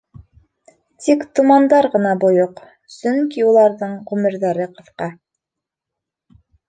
Тик томандар ғына бойоҡ, сөнки уларҙың ғүмерҙәре ҡыҫҡа.